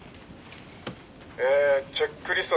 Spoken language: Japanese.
えーチェックリスト